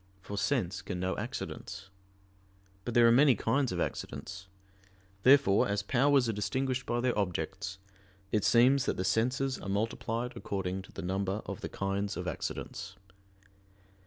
For sense can know accidents. But there are many kinds of accidents. Therefore, as powers are distinguished by their objects, it seems that the senses are multiplied according to the number of the kinds of accidents.